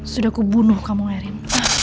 sudah aku bunuh kamu erin